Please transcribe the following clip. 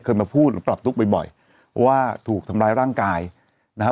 เคยมาพูดกลับลุกบ่อยบ่อยว่าถูกทำร้ายร่างกายนะฮะ